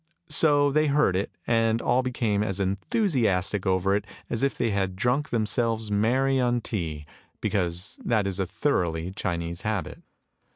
So they heard it, and all became as enthusiastic over it as if they had drunk themselves merry on tea, because that is a thoroughly Chinese habit.